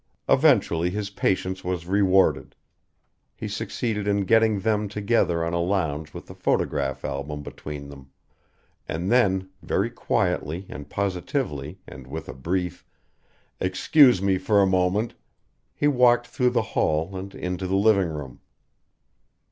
Eventually his patience was rewarded. He succeeded in getting them together on a lounge with a photograph album between them. And then, very quietly and positively, and with a brief "Excuse me for a moment," he walked through the hall and into the living room.